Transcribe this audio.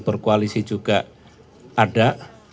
berkoalisi juga ada